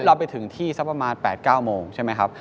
เราไปถึงที่สักประมาณ๘๙โมงใช่ไหมครับ